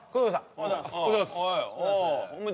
おはようございますああ